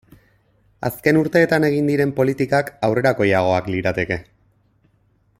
Azken urteetan egin diren politikak aurrerakoiagoak lirateke.